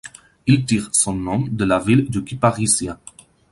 Il tire son nom de la ville de Kyparissia.